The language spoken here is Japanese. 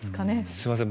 すいません。